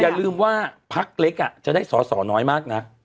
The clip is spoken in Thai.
อย่าลืมว่าพักเล็กจะได้สอสอน้อยมากนะ